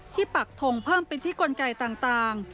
ปักทงเพิ่มเป็นที่กลไกต่าง